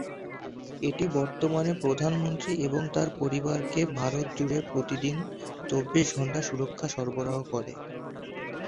এটি বর্তমান প্রধানমন্ত্রী এবং তার পরিবারকে ভারত জুড়ে প্রতিদিন, চব্বিশ ঘন্টা সুরক্ষা সরবরাহ করে।